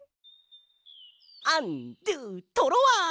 アンドゥトロワ！